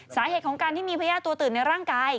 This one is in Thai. สาเหตุของการที่มีพญาติตัวตื่นในร่างกาย